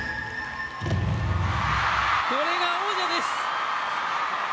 これが王者です。